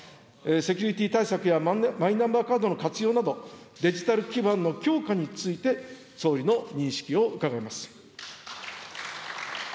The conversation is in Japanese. セキュリティー対策やマイナンバーカードの活用など、デジタル基盤の強化について、総理の認識を伺います。